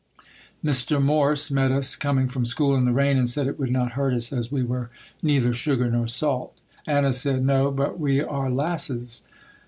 Mr. Morse met us coming from school in the rain and said it would not hurt us as we were neither sugar nor salt. Anna said, "No, but we are 'lasses."